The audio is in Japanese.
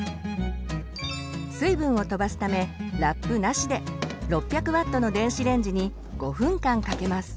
水分をとばすためラップなしで６００Ｗの電子レンジに５分間かけます。